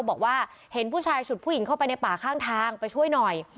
บอกว่าเห็นผู้ชายฉุดผู้หญิงเข้าไปในป่าข้างทางไปช่วยหน่อย